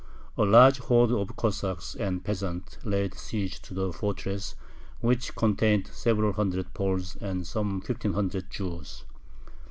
A large horde of Cossacks and peasants laid siege to the fortress, which contained several hundred Poles and some fifteen hundred Jews.